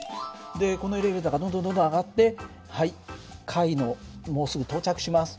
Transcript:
でこのエレベーターがどんどんどんどん上がってはい階のもうすぐ到着します。